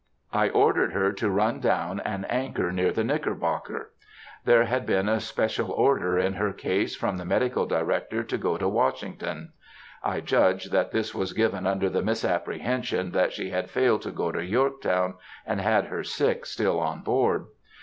I ordered her to run down and anchor near the Knickerbocker. There had been a special order in her case from the Medical Director to go to Washington. (I judge that this was given under the misapprehension that she had failed to go to Yorktown, and had her sick still on board.)